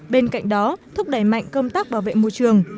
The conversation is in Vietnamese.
bên cạnh đó thúc đẩy mạnh công tác bảo vệ môi trường